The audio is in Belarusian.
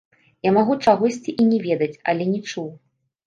Я магу чагосьці і не ведаць, але не чуў.